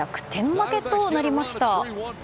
負けとなりました。